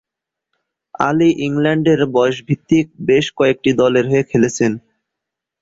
আলী ইংল্যান্ডের বয়সভিত্তিক বেশ কয়েকটি দলের হয়ে খেলেছেন।